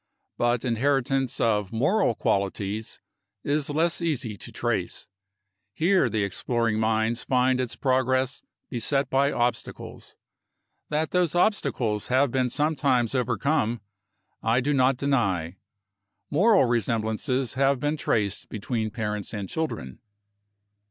But inheritance of moral qualities is less easy to trace. Here, the exploring mind finds its progress beset by obstacles. That those obstacles have been sometimes overcome I do not deny. Moral resemblances have been traced between parents and children.